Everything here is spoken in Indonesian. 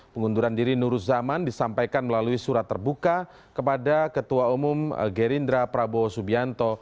pengunduran diri nuruz zaman disampaikan melalui surat terbuka kepada ketua umum gerindra prabowo subianto